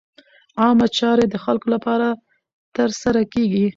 عامه چارې د خلکو لپاره ترسره کېږي.